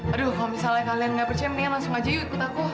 aduh kalau misalnya kalian nggak percaya mendingan langsung aja yuk ikut aku